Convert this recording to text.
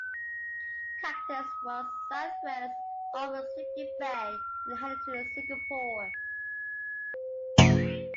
"Cactus" was southwest of Subic Bay and headed to Singapore.